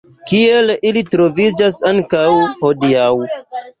Kiel ili troviĝas ankaŭ hodiaŭ.